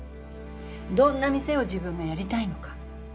どんな店を自分がやりたいのか。